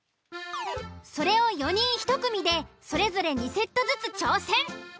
それを４人１組でそれぞれ２セットずつ挑戦。